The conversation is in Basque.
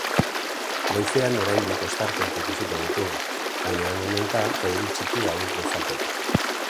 Goizean oraindik ostarteak ikusiko ditugu, baina han-hemenka euri txikia utz dezakete.